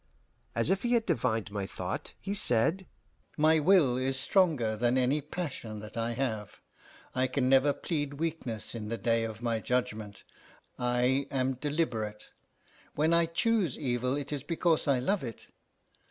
As if he had divined my thought, he said, "My will is stronger than any passion that I have; I can never plead weakness in the day of my judgment. I am deliberate. When I choose evil it is because I love it.